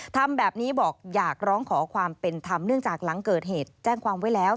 ทำแบบนี้บอกอยากร้องขอความเป็นธรรมเนื่องจากหลังเกิดเหตุแจ้งความไว้แล้ว